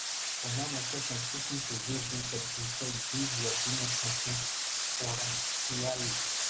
On one occasion, speaking to Viv Richards, he said Viv, your genius transcends parochialism.